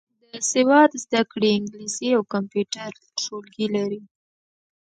د سواد زده کړې انګلیسي او کمپیوټر ټولګي لري.